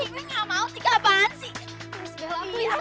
ini gak mau tika apaan sih